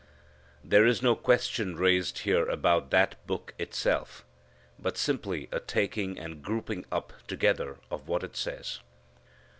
There is no question raised here about that Book itself, but simply a taking and grouping up together of what it says.